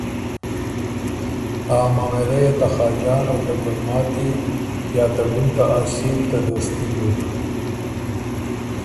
ا معامېلۀ يې ته خاجان او ته ګلماتی یا ته ډُم ته اصیل ته دوستي بُک۔